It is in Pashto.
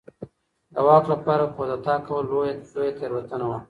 د واک لپاره کودتا کول لویه تېروتنه وه.